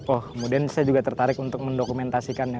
oh kemudian saya juga tertarik untuk mendokumentasikannya